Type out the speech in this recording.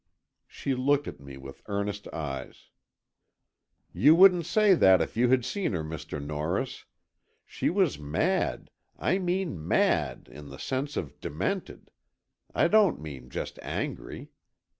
She looked at me with earnest eyes. "You wouldn't say that if you had seen her, Mr. Norris. She was mad—I mean mad, in the sense of demented—I don't mean just angry.